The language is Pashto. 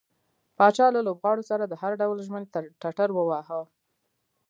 پاچا له لوبغاړو سره د هر ډول ژمنې ټټر واوهه.